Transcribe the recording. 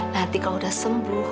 nanti kalau udah sembuh